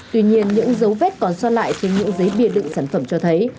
tuy nhiên những dấu vết còn so lại trên những giấy bia đựng sản phẩm cho thấy